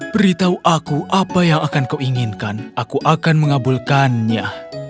beritahu aku apa yang akan kau inginkan aku akan mengabulkannya